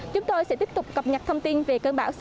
chúng tôi sẽ tiếp tục cập nhật thông tin về cơn bão số sáu